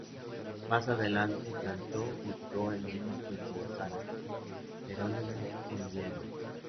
Más adelante, cantó y actuó en un concierto de Sarah Geronimo en Viena.